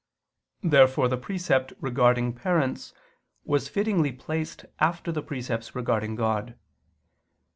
Therefore the precept regarding parents was fittingly placed after the precepts regarding God.